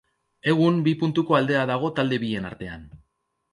Egun bi puntuko aldea dago talde bien artean.